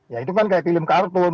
ya itu kan kayak film kartun